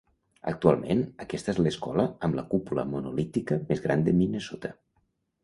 Actualment aquesta és l'escola amb la cúpula monolítica més gran de Minnesota.